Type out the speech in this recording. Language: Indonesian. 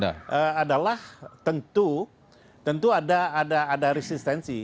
dan bagi kita adalah tentu tentu ada resistensi